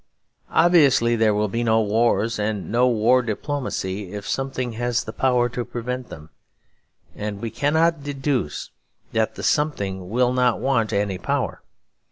Obviously there will be no wars and no war diplomacy if something has the power to prevent them; and we cannot deduce that the something will not want any power.